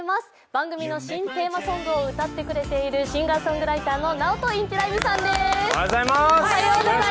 番組の新テーマソングを歌ってくれているシンガーソングライターのナオト・インティライミさんです。